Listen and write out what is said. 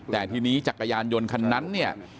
แต่ทีนี้จักรยานยนต์คันนั้นเนี่ย